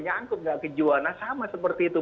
nyangkut nggak kejual nah sama seperti itu